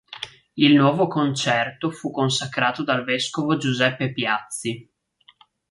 Il nuovo concerto fu consacrato dal vescovo Giuseppe Piazzi.